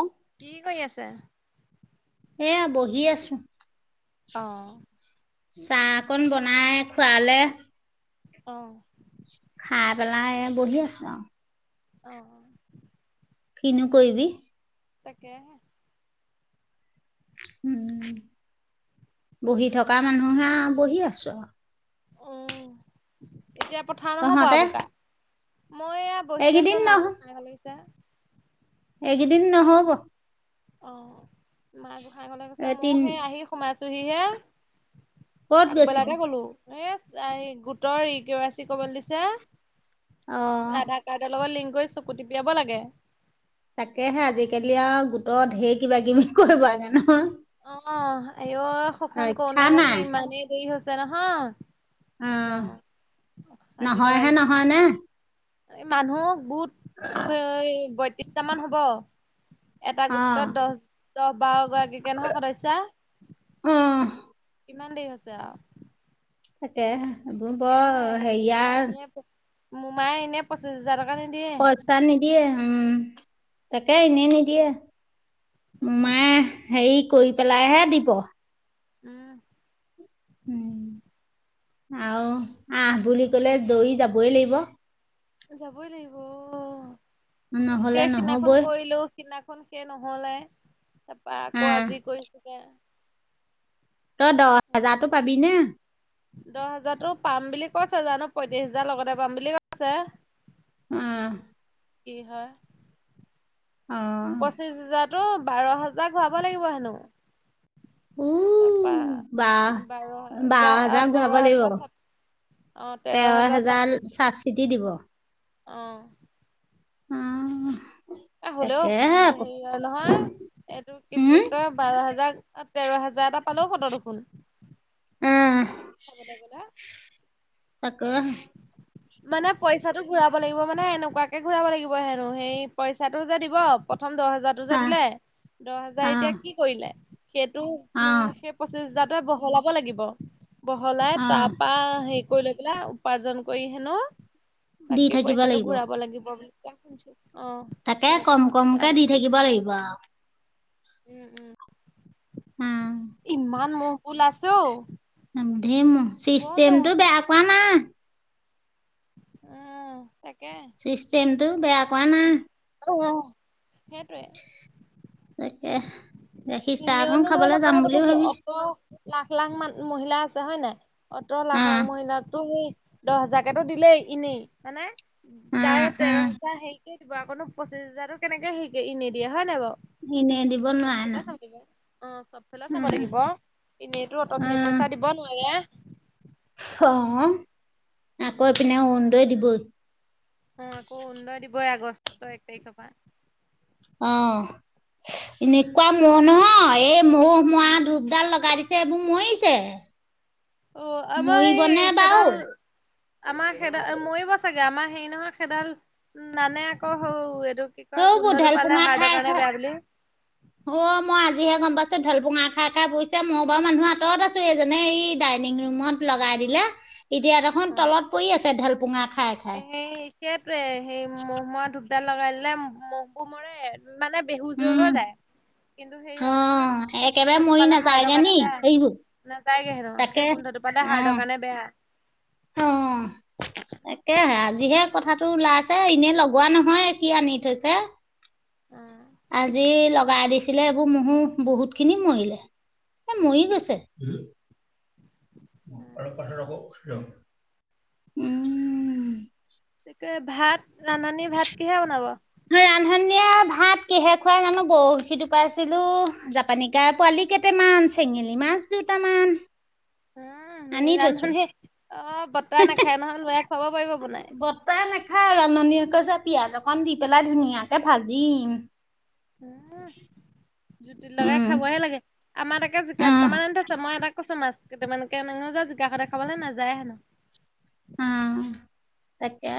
অ, কি কৰি আছে? এয়া বহি আছো। অ। চাহ অকন বনাই খোৱালে। অ। খাই পেলাই এই বহি আছো আৰু। অঁ, কিনো কৰিবি। তাকে, উম বহি থকা মানুহহে বহি আছো আৰু। উম এতিয়া পঠাও নহয় বৰা তহঁতে বুকা মই এ বহি আছো এইকেইদিন মাই নহ গোহাঁই ঘৰলে আহিছে। এইকেইদিন নহব। অ মা গোঁসাই ঘৰলে গৈছে এই মইও তিন সেই আহি সোমাইছোহি হে। ক'ত গৈছিলি আকবেলাতে গলো এ গোটৰ ই কে ৱাই চি কৰিবলে দিছে। অ আধাৰ কাৰ্ডৰ লগত লিংক কৰি চকু টিপিয়াব লাগে। তাকেহে আজিকালি আৰু গোটৰ ঢেৰ কিবা কিবি কৰিব লাগে নহয়। অ আই অ সেইখন ৰক্ষা কৰোঁতে কৰোঁতে নাই ইমানেই দেৰি হৈছে নহয়। অ একদম অশান্তি লগাই নহয়হে দিছে। নহয় নে? এই মানুহ গোট বয়ত্ৰিশটা মান হ'ব। এটা অ গোটত দহ দহ বাৰ গৰাকী কে নহয় সদস্যা অ কিমান দেৰি হৈছে আৰু তাকে তাকেহে ব হেৰিয়ে হেৰিয়াৰ এনে মোমাই এনে পঁচিছ হাজাৰ টকা নিদিয়ে চাহ নিদিয়ে উম তাকে এনেই নিদিয়ে তাকেহে মাই হেৰি কৰি পেলাইহে দিব উম উম আৰু আহ বুলি কলে দৌৰি যাবই লাগিব যাবই লাগিব অ নহ'লে সেই সিনাখন নহ'বই কৰিলো সিদিনাখন সেই নহলে তাৰপা আকৌ আহ আজি কৰিছোগে তই দহ হেজাৰতো পাবি নে দহ হাজাৰতো পাম বুলি কৈছে জানো পঁয়ত্ৰিশ হাজাৰ লগতে পাম বুলি কৈছে উম কি হয় অ পঁচিশ হাজাৰতো বাৰ হাজাৰ ঘূৰাব লাগিব হেনো উ তাৰপা বাও বাৰ বাৰ হাজাৰ তেৰ ঘূৰাব লাগিব হাজাৰ অ তেৰ হাজাৰ হেজাৰ চাবচিডি চাবচিতি দিব অ উম হলেও হেৰি নহয় এইটো কি উম বুলি কয় বাৰ হেজাৰ তেৰ হাজাৰ এটা পালে কত দেখোন উম [unintelligible] তাকে মানে পইচাটো ঘূৰাব লাগিব মানে এনেকুৱাকে ঘূৰাব লাগিব হেনো সেই পইচাটো যে দিব প্ৰথম দহ হেজাৰ [inaudible] হাজাৰটো‌ যে আহ দিলে দহ হাজাৰ আহ এতিয়া কি কৰিলে সেইটো উ আহ সেই পঁচিছ হাজাৰে বহলাব লাগিব বহলাই তাৰ আহ পৰা হেৰি কৰি লৈ পাই উপাৰ্জন কৰি হেনো দি বাকী থাকিব পইচাটো লাগিব ঘূৰাব লাগিব বুলি কোয় শুনিছো অ তাকে তেনেকে কম শুনিছো কমকে জানো দি কি থাকিব কি লাগিব আৰু উম উম উম ইমান মহবো উলাইছো অ ধে ম বৰ মহ চিষ্টেমটো আছে। বেয়া কোৱা নাই। উম। তাকে। চিষ্টেমটো বেয়া কোৱা না। অ সেটোৱে। তাকে। গাখী চাহকণ এনেওনো ধৰি খাবলে লওক যাম কথাটো বুলি কৈছো ভাবিছো। অত লাখ লাখ মান মহিলা আছে। হয় নাই? অত‌ লাখ লাখ মহিলাকটো সেই দহ হেজাৰকেতো দিলেই এনেই। মানে তাৰ তেৰ হেজাৰ হেৰি দিব আকৌ পচিছ হাজাৰতো কেনেকে সেই এনেই দিয়ে, হয় নাই বাৱ? ইনে দি [unintelligible] অ চবফালে চাব নহয় লাগিব। এনেইতো অট খিনি পইচা দিব নোৱাৰে। [unintelligible] আকৌ এপিনেও অৰুণোদয় দিবই। অ আকৌ অৰুণোদয় দিবই আগষ্ট এক তাৰিখ পা। অ, উম। এনেকুৱা মহ নহয়। এই ম মৰা ধূপডাল লগাই দিছে, এইবোৰ মৰিছে। অ, আমাৰ মৰিবনে সেই বাৰু সেডাল আমাৰ সেদা মৰিব চাগে। আমাৰ হেৰি নহয়, সেডাল নানে আকৌ হৌ এইটো কি কয়, সেইবোৰ গোন্ধটো পালে ঢেলপুঙা হাৰ্ড খাই কাৰণে খাই বেয়া বুলি। অ মই আজিহে গম পাইছো। ঢেলপুঙা খাই খাই পইচে। মই বাও মানুহ আঁতৰত আছো। যেনে ই ডাইনিং ৰুমত লগাই দিলে। এতিয়া দেখোন অ'। তলত পৰি আছে, ঢেলপোঙা খাই খাই সেই সেতিয়াতে, সেই মহ ময়া ধূপডাল লগাই দিলে মহ মৰে। মানে, বেহুজ হৈ উম হৈ যায়। কিন্তু সেই অ' হয় নহয়। সেই একেবাৰে গোন্ধটো মৰি পালে হাৰ্ড নাযায়গে কাৰণে নি বেয়া। এইবোৰ নাযায় গে হেনো। সেই তাকে গোন্ধটো পালে হাৰ্ড অ' কাৰণে বেয়া। অ' [inaudible] তাকেহে, আজিহে কথাটো ওলাই আছে। ইনে লগোৱা নহয়, কি আনি থৈছে? আজি লগাই দিছিলে। এইবো মহো বহুত খিনি মৰিলে। এ মৰি উম, গৈছে। অলপ পাছত আকৌ [unintelligible] উম। তাকে। ভাত ৰান্ধনীয়ে ভাত কিহে বনাব? সন্ধিয়া ভাত কিহে খুৱাই জানো? বখি টোপাইছিলো, জাপানী কাৰ পোৱালি কে তে মান, চেঙেলী মাছ দুটামান। উম আনি থৈছো ৰান্ধনীয়ে অ বতাহ নাখায় নহয়। লৰাই খুৱাব পাৰিব বনাই? তাই নাখায়। ৰান্ধনীয়ে কৈছে, পিয়াজ অকণ দি পেলাই ধুনীয়াকে ভাজিম। উম। জুতি লগাই উম খাবহে লাগে। আমাৰ তাকে জিকা আহ দুটামান আনি থৈছে। মই এটা কৈছো মাছ কেইটা মান‌ কে [unintelligible] জিকা সদাই খাবলে নাযায় হেনো। উম, তাকে।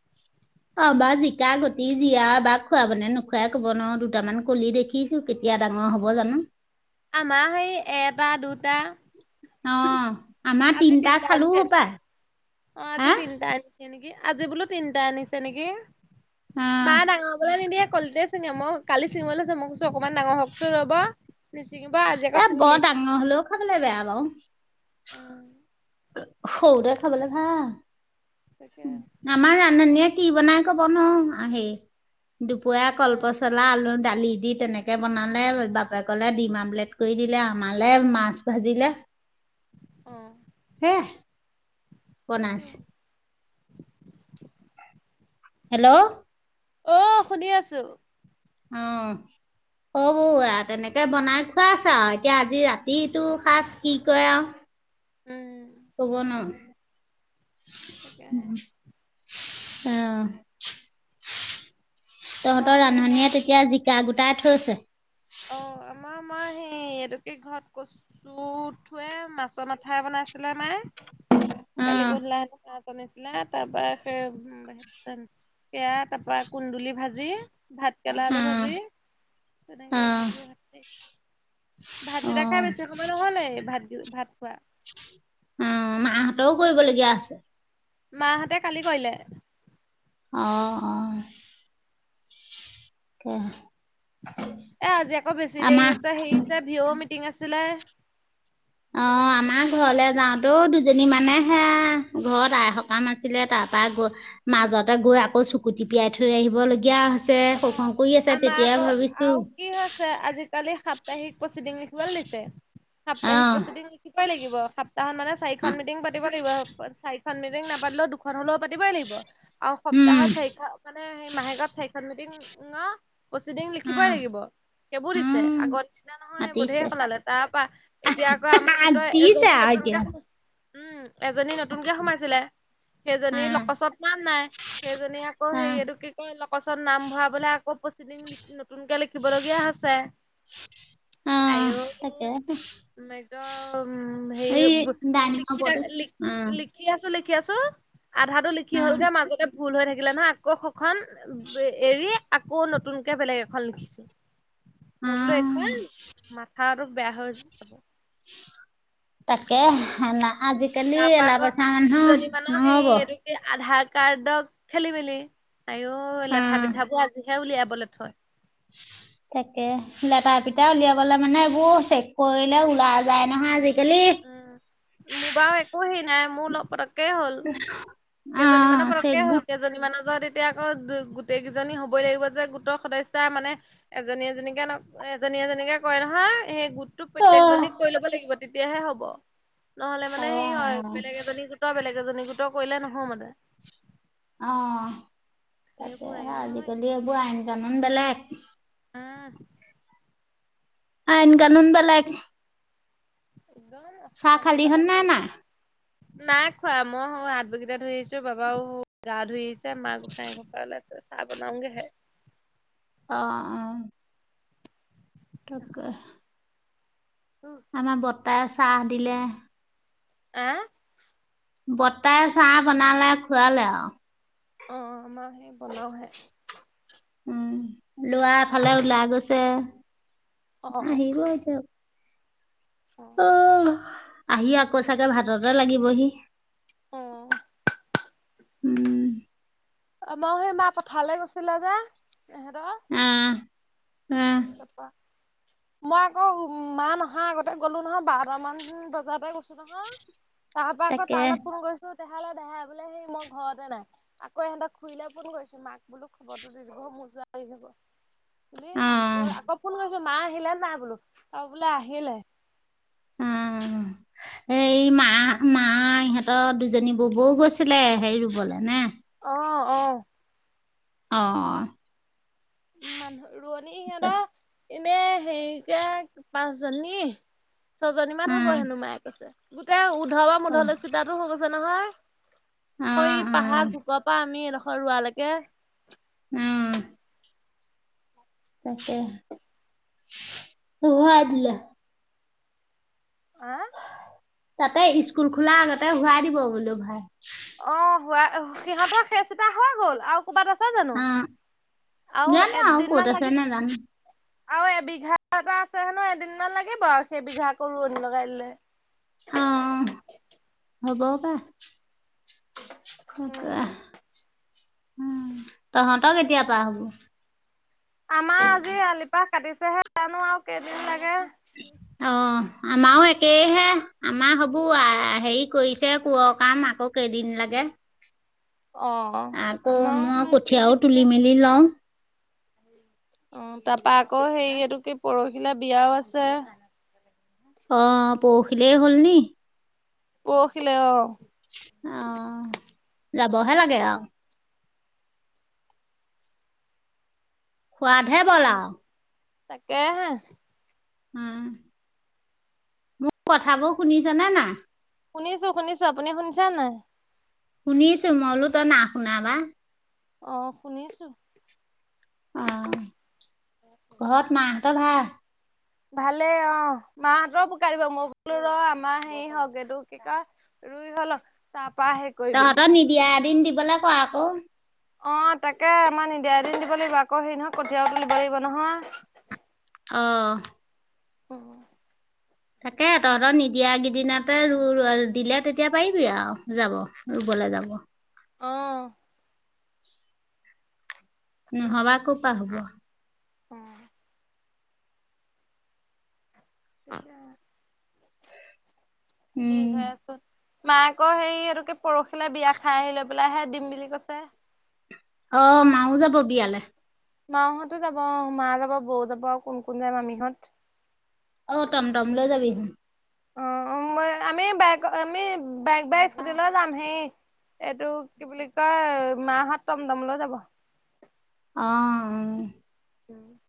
[inaudible] আমা জিকা গুটি, জীয়া বা খুৱাব নে নোখুৱাই কব নুৱাও। দুটামান কলি দে দেখিছো কেতিয়া ডাঙৰ হ'ব জানো? আমাৰ সেই এটা দুটা। অঁ, আমা তিনটা খালো হোপায়। অঁ আজি তিনটা আনিছে নেকি? আজি বোলো তিনিটা আনিছে নেকি? অ মা ডাঙৰ হবলে নিদিয়ে, কলিতে চিঙে। মোক কালি ছিঙিব লৈছে। মই কৈছো, অকমান ডাঙৰ হকচোন ৰব, নিছিঙিবা আজি আকৌ ছিঙিলি। ঙ হল' খাবলে বেয়া বাৱ। উম। সৰুতে খাবলে তাকে ভাল। আমাৰ ৰান্ধনীয়ে কি বনাই কব নোৱাৰো আহি। দুপৰীয়া অ কলপচলা আলু দালি দি তেনে কে বনালে বাপেকলে ডিম আমলেট কৰি দিলে, আমালে মাছ ভাজিলে। অঁ। হে বনাইছে। হেল্ল। অঁ শুনি আছো। অঁ। হ'বৌ তেনেকে বনাই খোৱাছে আও এতিয়া আজি ৰাতিটো সাজ কি কৰে আও। উম। কব নোৱাৰো তাকেহে উম। অঁ, মই তহঁতৰ সেই মই ৰান্ধনীয়ে তেতিয়া যি গা গোটাই থৈছে। অঁ আমাৰ মই সেই এইটোকে ঘৰত ক চু উঠোৱে মাছৰ মাথা বনাইছিলে মায়ে, অ কালি ক ধলাইে তাত বনাইছিলে, তাৰ পৰা সেই উম সেয়া তাৰ পৰা কুন্দুলি ভাজি। ভাত কেৰেলা অ আলু ভাজি, অ তেনেকে ভাজি অ ভাতকেইটা খাই বেছি সময় নহলেই ভাত ভাত খোৱা। উম, মাহঁতও কৰিব লগীয়া আছে। মাহঁতে কালি কৰিলে। অঁ অঁ। উমহ। এ আজি আকৌ বেছি আমাৰ দেৰি হৈছে হেই ভিঅ মিটিং আছিলে। সেইটো অঁ কাৰণে আজি আমাৰ বেছি দেৰি ঘৰলে হৈছে যাওঁতেওঁ জনি মানেহে সেয়া ঘৰত আই সকাম আছিলে তাৰপৰা গ মাজতে গৈ আকৌ চুকু তিপিয়াই থৈ আহিবলগীয়া হৈ ছে অ শোষণ কৰি আছে আমাৰ তেতিয়া ভাবিছো। কালি সাপ্তাহিক প্ৰচিডিং লিখিব লাগিছে, সাপ্তাহিক অঁ প্ৰচিডিং লিখিবাই লাগিব। তাহত মানে চাৰিখন মিটিং পাতিব লাগিব, চাৰিখন মিটিং নাপাতিলেও দুখন হলেও পাতিবই লাগিব। আৰু উম সপ্তাহত চাৰিখন মানে মাহেকত চাৰিখন মিটিং প্ৰচিডিং লিখিবই অঁ লাগিব। সেইবোৰ দিছে। উম আগৰ নিচিনা নহয় এইবোৰ ধেই মাতিছে সলালে তাৰ পৰা এতিয়া আকৌ মাতিছে আমাৰ গোটৰ এজনী আৰু নতুন এতিয়া কে, উম এজনী নতুনকে সোমাইছিলে। সেইজনী অঁ লকচত নাম নাই, সেইজনী আকৌ অঁ হেৰিয়টো কি কি কয় লকচত নাম ভৰাবলে আকৌ পচিদিন নতুনকে লিখিবলগীয়া হৈছে। উম আইঐ তাকেহে। [inaudible] ডাইনিঙৰ লিখি ওপৰতো অঁ আছো লিখি আছো, আধাটো লিখি হল অঁ গে মাজতে ভুল হৈ থাকিলে নহয় আকৌ সখন এৰি আকৌ নতুনকে বেলেগ এখন লিখিছো। মই বোলো এইখন অঁ মাথাটো বেয়া হৈ যাব তাকে আজিকালি তাৰ পৰা এলা পেচা মানুহ নহব। এই আধাৰ কাৰ্ডক খেলি মেলি, আয়ই লেঠা অঁ পিঠাবোৰ আজিহে উলিয়াবলৈ থয়। তাকে লেথা পিটাৰ উলিয়াই গলে মানে এইবোৰ চেক কৰিলে ওলাই যায় নহয় আজিকালি। উম, মো বাও একো হেই নাই। মো লগ পত কে হ'ল, কেইজনীমানৰ অ', পতককে হ'ল। চেকবুক কেইজ জনী মানৰ য'ত তেতিয়া আক' গো- গোটেই কেইজনী হ'বই লাগিব যে গোটৰ সদস্যা মানে। এজনী এজনীকে ন' এজনী এজনীকে কয় নহয়, সেই গোটটোক অ', প্ৰত্যেকজনীক কৈ ল'ব লাগিব তে তিয়াহে হ'ব। নহ'লে মানে সেই হয় অ', বেলেগ এজনী গোট' বেলেগ এজনী গোট' কৰিলে নহয় মানে। অ' সেইবোৰে তাকেহে ঐ আজিকালি এইবোৰ আইন-কানুন বেলেগ। উম আইন-কানুন বেলেগ। [inaudible] চা খালি লগাই হননে দিছে নাই? নাই খোৱা। মই সৌ হাত বগিটা ধুইছোঁ, বাবাও গা ধুইছে, মা গোসাঁই ঘৰৰ পা ওলাইছে। চা বনাওগেহে। অ', অ'। আমা বত্তাই চাহ দিলে। আ বতাই চাহ বনালে খুৱালে আও। অ', আমা সেই বনাওহে। উম, ল'ৱা এফালে ওলাই গৈছে। অ আহিব‌ এতিয়া। অ অহ! আহি আকৌ চাগে ভাততে লাগিবহি। অ উম, আমাও সেই মা পথাৰলৈ গৈছিলে যে, এহেত উম, উম। মই আকৌ মা নাহা আগতে গ'লো নহয় বাৰটা মান বজাৰতে গৈছোঁ নহয়, তাৰপা আকৌ তাকে তালে ফোন কৰিছোঁ দেহালে, দেহাই বোলে হেই মই ঘৰতে নাই। আকৌ এহঁতক খুৰিলে ফোন কৰিছোঁ, মাক বোলো খবৰটো দি দিব মোৰ [unintelligible] আহ আকৌ ফোন কৰিছোঁ মা আহিলে নাই বোলো। অ' বোলে আহিলে। [inaudible] হেই মা- মা ইহঁতৰ দুজনী ববৌ গৈছিলে হেই ৰুবলে নে? অ', অ'। অ'। মানহ ৰোৱনী সিহঁতৰ এনে হেইকে পাঁচজনী। ছজনীমান উম হ'ব হেনো মায়ে কৈছে। গোটেই উধ বা অ উম মুধলে চিধাটো হৈ গৈছে নহয়! সৈ পাহাৰ উম ঘুকৰ পা আমি এডখৰ ৰোৱালৈকে উম। তাকে, [unintelligible] দিলে। হা? তাতে ইচকুল খোলা আগতে হোৱাই দিব বোলো ভাই। অ' হোৱা সিহঁতৰ সেচ এটা হৈ গ'ল। আও ক'বাত আছে জানো? অ আও জানো আৰু ক'ত এদ্দিনমান আছে লাগি নাজানো আও এবিঘা এটা আছে হেনো এদিনমান লাগিব আও সেইবিঘা আকৌ ৰোৱনী লগাই দিলে। অ' হ'ব পাই। তাকে, উম। তহঁত কেতিয়া পা হ'ব? আমা আজি আলিপাহ কাটিছেহে জানো আও কেইদিন লাগে! অহ! আমাও একেইহে। আমা হ'বো হেৰি কৰিছে কোঁৱ কাম, আকৌ কেইদিন লাগে। অ আমাও মা কেইদিন লাগে। দিলও অ তাৰপা আকৌ হেই এইটো কি পৰহিলে বিয়াও আছে। অ পউহিলে হ'ল নি। পউখিলে অ। অ যাবহে লাগে আও। সোৱাদহে বলাও। তাকে হে। উ মো কথাবোৰ শুনিছনে নাই। শুনিছো শুনিছো আপুনি শুনিছা নাই। শুনিছো মই বুলো তই না শুনাবা। অ শুনিছো। অ ঘত মাহাহঁতৰ ভা ভালে অ মাহঁতৰ পোকাৰ দিব মই বোলো ৰ আমাৰ সেই হওক এইটো কি কয় ৰুই হৈ লক তাৰপা সে। তহঁতৰ নিদিয়া এদিন দিলে কোৱা আকৌ। অ তাকে আমাৰ নিদিয়া এদিন দিব লাগিব আকৌ হেৰি নহয় কঠিয়াও তুলিব লাগিব নহয়। অ'হ। উ'ম। তাকে তহঁতৰ নিদিয়াকেইদিনতে ৰু ৰ দিলে তেতিয়া পাৰিবি আউ যাব ৰুবলে যাব। অ। উ নহবা কওপা হব। অ'হ। কি উম, হৈ আছো। মায় আকৌ সেই এইটো কি পৰহিলে বিয়া খাই আহি লৈ পেলাইহে দিম বুলি কৈছে। অ মাও যাব বিয়ালেহ। মাাহঁতো যাব অ মা যাব বৌ যাব আউ কোন কোন যায় মামিহঁত। অ টম টম লৈ যাবিহ। অ' মই আমি বাইগ অ আমি বাইগ বাইক স্কুট লৈ যাম হেই। এইটো কি বুলি কয় মাহাহত টম টম লৈ যাব। অ অ'হ। উম।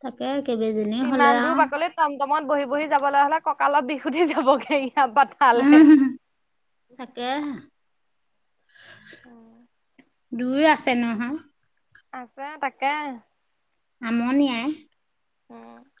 তাকে কেইবেজনীও হ'লে আও। টম টমত বহি বহি যাবলে হ'লে কঁকালত বিষ উঠি যাবগে ইয়াপাত উহুহুম তাকে। [unintelligible] দূৰ আছে নহয়। আছে তাকে। আমনিয়াই অ